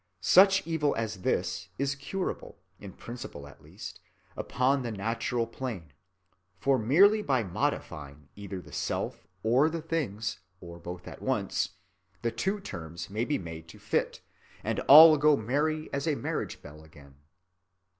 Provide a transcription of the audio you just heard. Such evil as this is curable, in principle at least, upon the natural plane, for merely by modifying either the self or the things, or both at once, the two terms may be made to fit, and all go merry as a marriage bell again.